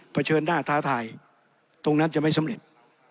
เฉินหน้าท้าทายตรงนั้นจะไม่สำเร็จ